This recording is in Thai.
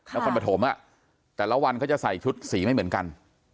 นครปฐมแต่ละวันเขาจะใส่ชุดสีไม่เหมือนกัน